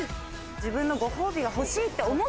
自分のご褒美が欲しいって思